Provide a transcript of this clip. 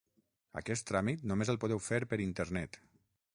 Aquest tràmit només el podeu fer per internet.